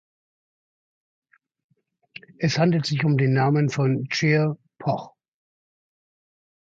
Es handelt sich um den Namen von Chea Poch.